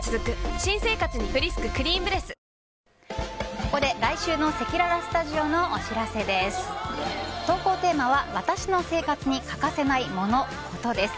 ここで来週のせきららスタジオのお知らせです。